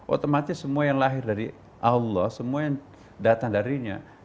otomatis semua yang lahir dari allah semua yang datang darinya